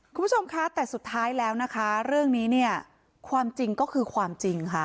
คุณผู้ชมคะแต่สุดท้ายแล้วนะคะเรื่องนี้เนี่ยความจริงก็คือความจริงค่ะ